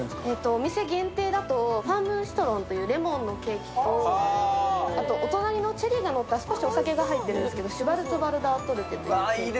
お店限定だとファーム・シトロンというレモンのケーキとお隣のチェリーがのった少しお酒が入っているんですけど、シュバルツヴァルダートルテ。